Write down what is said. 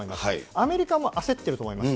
アメリカも焦っていると思います。